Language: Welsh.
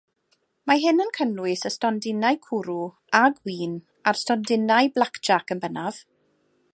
Mae hyn yn cynnwys y stondinau cwrw a gwin a'r stondinau blacjac yn bennaf.